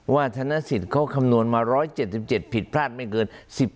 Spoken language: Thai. ธนสิทธิ์เขาคำนวณมา๑๗๗ผิดพลาดไม่เกิน